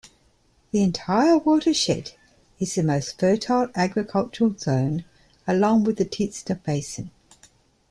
The entire watershed is the most fertile agricultural zone along with the Teesta Basin.